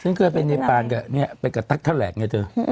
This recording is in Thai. ฉันเคยเป็นญี่ปารกับไปกับตั๊กทะแหลกไงเธอ